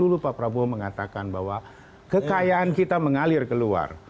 dari dulu pak prabowo mengatakan bahwa kekayaan kita mengalir ke luar